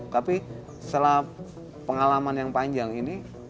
tapi setelah pengalaman yang panjang ini